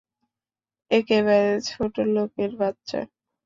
একেবারে ছোটোলোকের বাচ্চা।